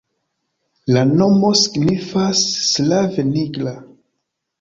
La nomo signifas slave nigra.